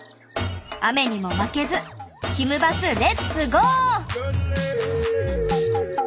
雨にも負けずひむバスレッツゴー！